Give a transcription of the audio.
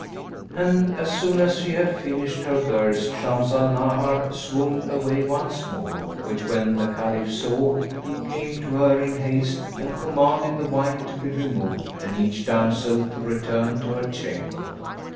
'[FN#197] And as soon as she had finished her verse Shams al Nahar swooned away once more, which when the Caliph saw, he came to her in haste and commanded the wine to be removed and each damsel to return to her chamber.